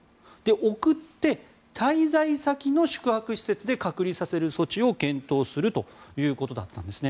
送って、滞在先の宿泊施設で隔離させる措置を検討するということだったんですね。